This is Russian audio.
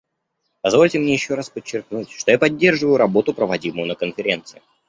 Позвольте мне еще раз подчеркнуть, что я поддерживаю работу, проводимую на Конференции.